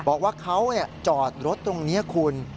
บอกว่าเขาจอดรถตรงนี้คุณ